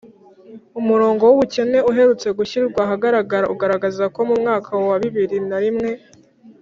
umurongo w'ubukene uherutse gushyirwa ahagaragara ugaragaza ko mu mwaka wa bibiri na rimwe